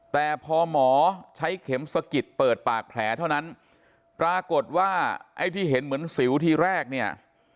แต่พอหมอใช้เข็มสะกิดเปิดปากแผลเท่านั้นปรากฏว่าไอ้ที่เห็นเหมือนสิวทีแรกเนี่ย